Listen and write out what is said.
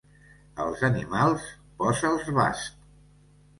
Als animals, posa'ls bast.